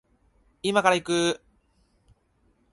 今から行く